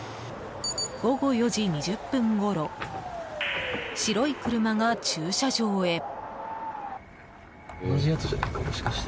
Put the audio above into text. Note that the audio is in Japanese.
午後４時２０分ごろ白い車が駐車場へ。